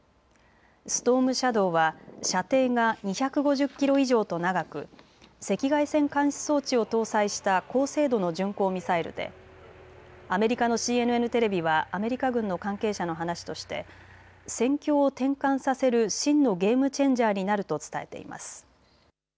ストームシャドーは射程が２５０キロ以上と長く赤外線監視装置を搭載した高精度の巡航ミサイルでアメリカのＣＮＮテレビはアメリカ軍の関係者の話として戦況を転換させる真のゲームチェンジャーになると伝えています。